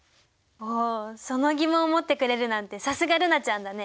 おおその疑問を持ってくれるなんてさすが瑠菜ちゃんだね。